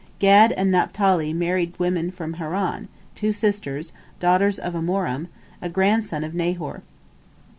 Gad and Naphtali married women from Haran, two sisters, daughters of Amoram, a grandson of Nahor.